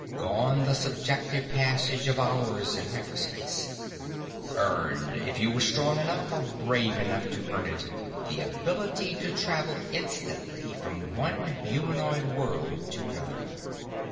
Gone the subjective passage of hours in hyper space. Earned if you were strong enough or brave enough to earn it the ability to travel instantly from one humanoid world to another.